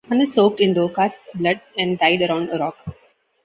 One is soaked in Dorcas' blood and tied around a rock.